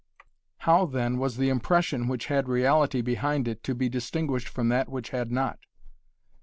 How then was the impression which had reality behind it to be distinguished from that which had not?